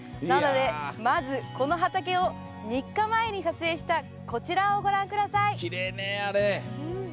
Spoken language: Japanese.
なのでまず、この畑を３日前に撮影した、こちらをご覧ください。